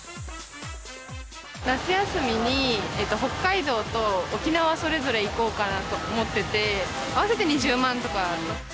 夏休みに北海道と沖縄、それぞれ行こうかなと思ってて、合わせて２０万とか。